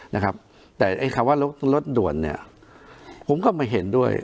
นะครับแต่ไอ้คำว่ารถรถด่วนเนี่ยผมก็ไม่เห็นด้วย